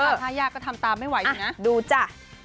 ถ้ายากก็ทำตามไม่ไหวอยู่นะดูจ้ะ